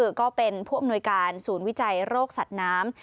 ก็เป็นผู้อำนวยการศูนย์วิจัยโรคสัตว์น้ำ